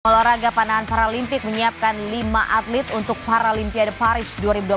olahraga panahan paralimpik menyiapkan lima atlet untuk paralimpiade paris dua ribu dua puluh empat